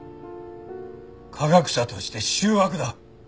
科学者として醜悪だ。